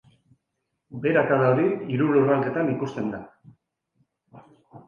Beherakada hori hiru lurraldeetan ikusten da.